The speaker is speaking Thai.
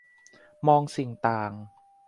มองสิ่งต่าง